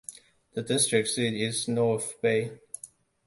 The district seat is North Bay.